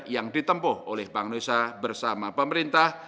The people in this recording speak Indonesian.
yang ditempuh oleh bank indonesia bersama pemerintah